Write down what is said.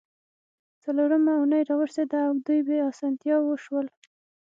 څلورمه اونۍ راورسیده او دوی بې اسانتیاوو شول